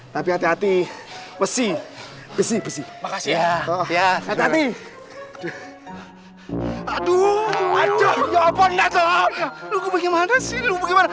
tapi hati hati besi besi makasih ya ya hati hati aduh aduh ya apaan